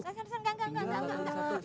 sini sini enggak enggak